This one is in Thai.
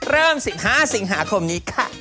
เริ่ม๑๕สิงหาคมนี้ค่ะ